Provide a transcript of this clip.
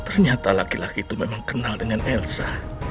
ternyata laki laki itu memang kenal dengan elsa